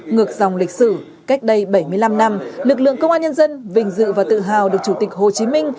ngược dòng lịch sử cách đây bảy mươi năm năm lực lượng công an nhân dân vinh dự và tự hào được chủ tịch hồ chí minh